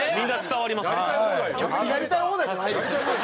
「やりたい放題」じゃないよ。